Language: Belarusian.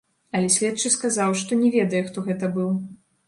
Але следчы сказаў, што не ведае, хто гэта быў.